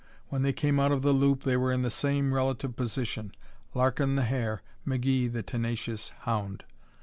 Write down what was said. When they came out of the loop they were in the same relative position Larkin the hare, McGee the tenacious hound.